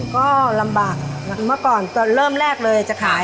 ก็ลำบากเมื่อก่อนตอนเริ่มแรกเลยจะขาย